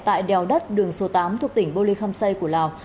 tại đèo đất đường số tám thuộc tỉnh bô lê khâm xây của lào